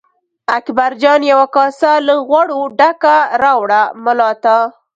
اکبرجان یوه کاسه له غوړو ډکه راوړه ملا ته.